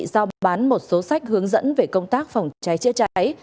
giao bán một số sách hướng dẫn về công tác phòng cháy chữa cháy